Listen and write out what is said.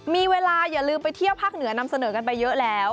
มีเวลาอย่าลืมไปเที่ยวภาคเหนือนำเสนอกันไปเยอะแล้ว